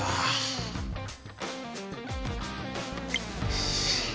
よし。